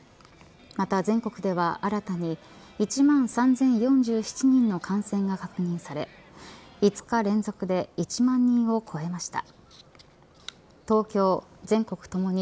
また全国では新たに１万３０４７人の感染が確認され５日連続で１万人を超えました。